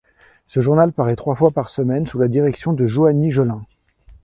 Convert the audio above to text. Ce journal paraît trois fois par semaine sous la direction de Joanny Gelin.